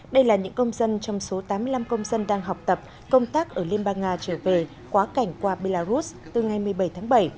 đây là những công dân trong số tám mươi năm công dân đang học tập công tác ở liên bang nga trở về quá cảnh qua belarus từ ngày một mươi bảy tháng bảy